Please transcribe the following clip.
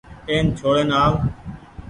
اين ڇوڙين آ و۔